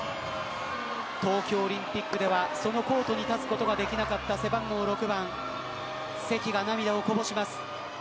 東京オリンピックではそのコートに立つことができなかった背番号６番関が涙をこぼします。